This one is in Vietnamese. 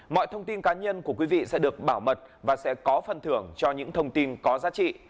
mọi thông tin cá nhân của quý vị sẽ được bảo mật và sẽ có phần thưởng cho những thông tin có giá trị